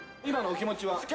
今のお気持ちは？